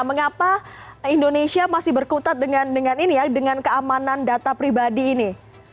mengapa indonesia masih berkutat dengan ini ya dengan keamanan data pribadi ini